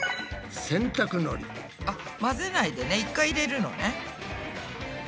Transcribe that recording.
あっ混ぜないでね一回入れるのね。